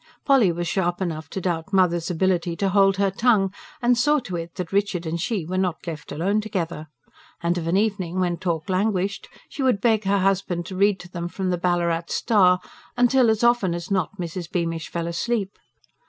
Polly was sharp enough to doubt "mother's" ability to hold her tongue; and saw to it that Richard and she were not left alone together. And of an evening when talk languished, she would beg her husband to read to them from the BALLARAT STAR, until, as often as not, Mrs. Beamish fell asleep.